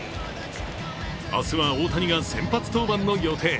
明日は大谷が先発登板の予定。